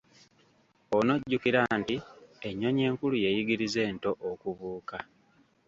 Onojjukira nti ennyonyi enkulu yeeyigiriza ento okubuuka.